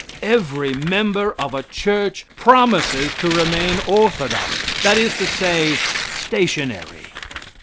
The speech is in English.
Every member of a church promises to remain orthodox, that is to say stationary.